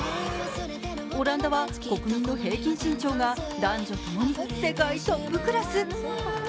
オランダは国民の平均身長が男女ともに世界トップクラス。